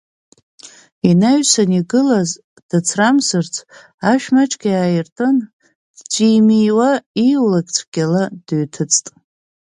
Инаҩсан игылаз дацрамысырц, ашә маҷк иааиртын, дҵәиимиуа ииулак цәгьала дыҩҭыҵт.